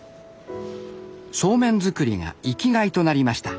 そうめん作りが生きがいとなりました。